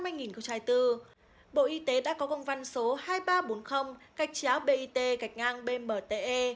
bộ y tế đã có công văn số hai nghìn ba trăm bốn mươi cạch chéo bit cạch ngang bmte